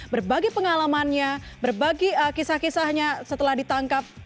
berbagi pengalamannya berbagi kisah kisahnya setelah ditangkap